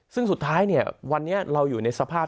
ซึ่งสุดท้ายวันนี้เราอยู่ในสภาพ